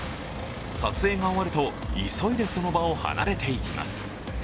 撮影が終わると急いでその場を離れていきます。